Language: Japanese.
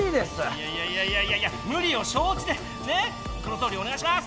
いやいやいやいやいやいや無理を承知でねっこのとおりおねがいします！